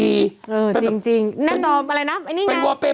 เออจริงแน่นตอบอะไรนะไอ้นี่ไง